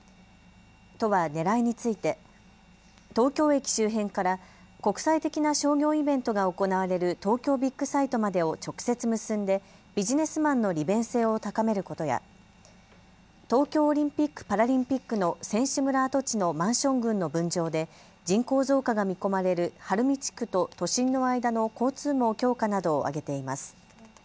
都はねらいについて東京駅周辺から国際的な商業イベントが行われる東京ビッグサイトまでを直接結んでビジネスマンの利便性を高めることや東京オリンピック・パラリンピックの選手村跡地のマンション群の分譲で人口増加が見込まれる晴海地区と都心の間の交通網強化などを挙げています。